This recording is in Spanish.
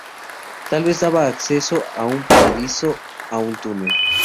Tal vez daba acceso a un pasadizo, a un túnel...